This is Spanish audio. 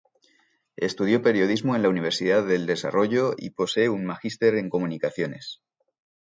Estudió periodismo en la Universidad del Desarrollo y posee un magíster en comunicaciones.